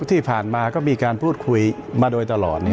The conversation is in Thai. ที่ผ่านมาก็มีการพูดคุยมาโดยตลอด